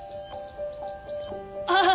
ああ！